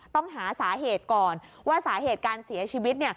ต้องหาสาเหตุก่อนว่าสาเหตุการเสียชีวิต